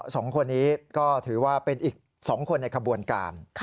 สองคนนี้ก็ถือว่าเป็นอีก๒คนในขบวนการ